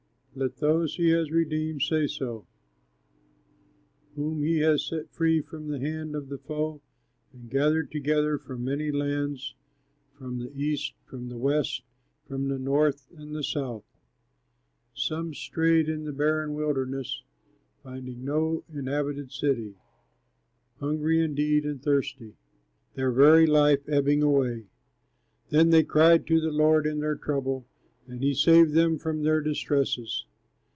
Let those he has redeemed say so, Whom he has set free from the hand of the foe, And gathered together from many lands, From the east, from the west, From the north and the south. Some strayed in the barren wilderness, Finding no inhabited city, Hungry, indeed, and thirsty, Their very life ebbing away. Then they cried to the Lord in their trouble, And he saved them from their distresses.